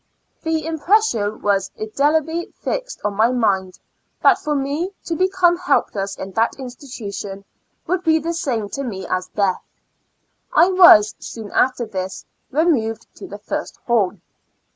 The impression was indelibly fixed on my mind, that for me to become helpless in that institution, would be the same to me as death. I was, soon after this, remov ed to the first hall.